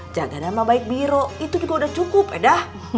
jaga nama baik biro itu juga udah cukup eda